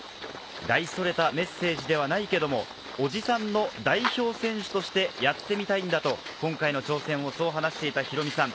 大それたメッセージではないけれど、おじさんの代表選手としてやってみたいんだと、今回の挑戦を、そう話していたヒロミさん。